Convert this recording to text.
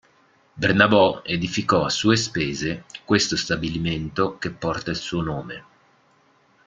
Bernabò edificò a sue spese questo stabilimento che porta il suo nome.